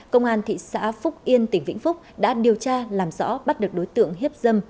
công an thị xã phúc yên tỉnh vĩnh phúc đã điều tra làm rõ bắt được đối tượng hiếp dâm